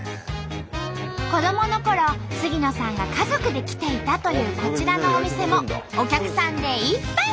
子どものころ杉野さんが家族で来ていたというこちらのお店もお客さんでいっぱい。